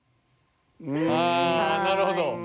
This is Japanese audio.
ああなるほど。